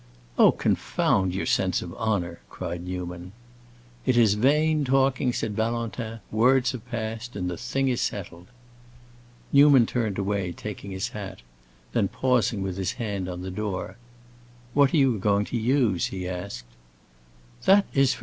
"Oh, confound your sense of honor!" cried Newman. "It is vain talking," said Valentin; "words have passed, and the thing is settled." Newman turned away, taking his hat. Then pausing with his hand on the door, "What are you going to use?" he asked. "That is for M.